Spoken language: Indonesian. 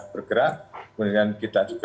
bergerak kemudian kita juga